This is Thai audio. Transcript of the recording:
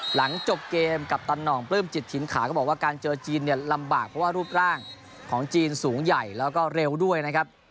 หลังจบเกมกัปตันห่องปลื้มจิตถิ่นขาก็บอกว่าการเจอจีนเนี่ยลำบากเพราะว่ารูปร่างของจีนสูงใหญ่แล้วก็เร็วด้วยนะครับ